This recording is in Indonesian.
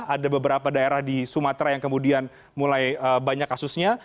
ada beberapa daerah di sumatera yang kemudian mulai banyak kasusnya